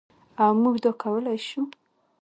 او موږ دا کولی شو.